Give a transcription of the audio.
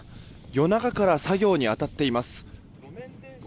夜中から作業に当たっています。